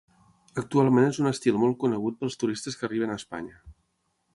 Actualment és un estil molt conegut pels turistes que arriben a Espanya.